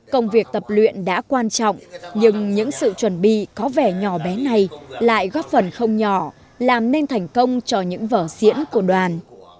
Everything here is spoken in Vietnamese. công việc tập luyện đã quan trọng nhưng những sự chuẩn bị có vẻ nhỏ bé này lại góp phần không nhỏ làm nên thành công cho những vở diễn của đoàn